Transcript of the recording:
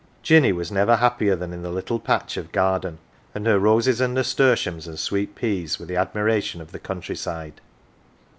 Jinny was never happier than in the little patch of garden, and her roses and nasturtiums and sweet peas were the admiration of the countryside.